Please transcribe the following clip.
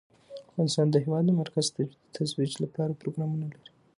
افغانستان د هېواد د مرکز ترویج لپاره پروګرامونه لري.